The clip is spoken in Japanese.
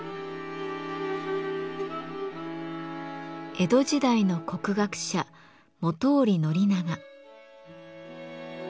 江戸時代の国学者本居宣長。